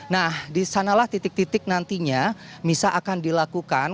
nah disanalah titik titik nantinya misa akan dilakukan